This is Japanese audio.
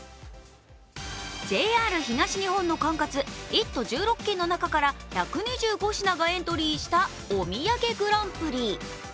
ＪＲ東日本の管轄、１都１６県の中から１２５品がエントリーしたおみやげグランプリ。